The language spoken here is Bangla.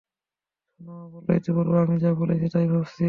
সুমামা বলল, ইতিপূর্বে আমি যা বলেছি তাই ভাবছি।